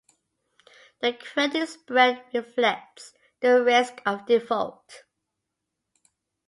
The credit spread reflects the risk of default.